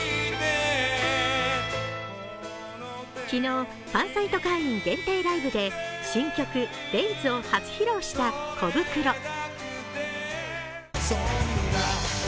昨日ファンサイト会員限定ライブで新曲「Ｄａｙｓ」を初披露したコブクロ。